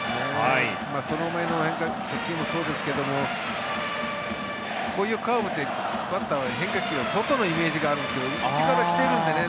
その前の初球もそうですけどこういうカーブってバッターは、変化球外のイメージがあるんですが内から来ているのでね